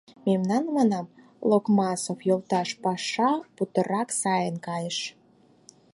— Мемнан, манам, Локмасов йолташ, паша путырак сайын кайыш.